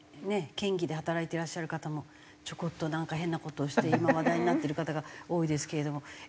県議で働いていらっしゃる方もちょこっとなんか変な事をして今話題になってる方が多いですけれども。